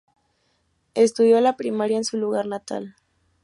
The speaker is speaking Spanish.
Estudió la primaria en su lugar natal.